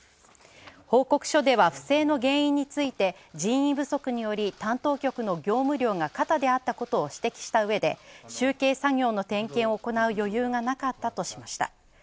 報告書では不正の原因について、人員不足により担当局の業務量が過多であったことを指摘した上で「集計作業の点検を行う余裕がなかった」としました。